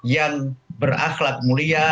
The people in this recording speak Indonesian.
yang berakhlat mulia